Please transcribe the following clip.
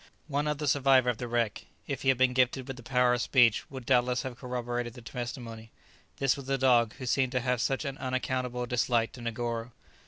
One other survivor of the wreck, if he had been gifted with the power of speech, would doubtless have corroborated the testimony. This was the dog who seemed to have such an unaccountable dislike to Negoro.